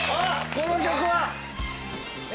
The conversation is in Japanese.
この曲は！え！？